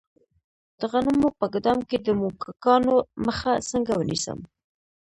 د غنمو په ګدام کې د موږکانو مخه څنګه ونیسم؟